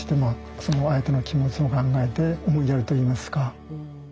その相手の気持ちを考えて思いやるといいますか。